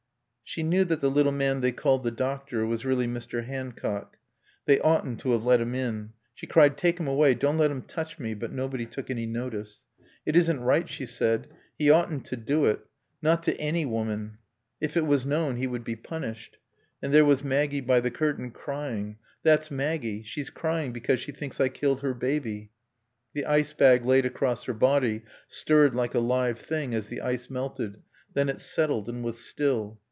She knew that the little man they called the doctor was really Mr. Hancock. They oughtn't to have let him in. She cried out. "Take him away. Don't let him touch me;" but nobody took any notice. "It isn't right," she said. "He oughtn't to do it. Not to any woman. If it was known he would be punished." And there was Maggie by the curtain, crying. "That's Maggie. She's crying because she thinks I killed her baby." The ice bag laid across her body stirred like a live thing as the ice melted, then it settled and was still.